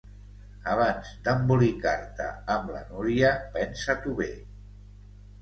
Abans d'embolicar-te amb la Núria, pensa-t'ho bé!